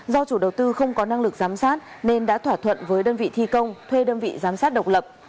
do chủ đầu tư không có năng lực giám sát nên đã thỏa thuận với đơn vị thi công thuê đơn vị giám sát độc lập